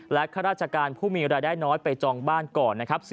และข้าราชการผู้มีรายได้น้อยไปจองบ้านก่อนนะครับ